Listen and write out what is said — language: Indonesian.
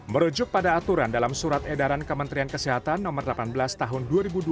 merujuk pada aturan dalam surat edaran kementerian kesehatan no delapan belas tahun dua ribu dua puluh